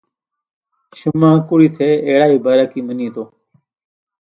شُمہ کُڑیۡ تھےۡ ایڑائیۡ بارہ کیۡ منِیتوۡ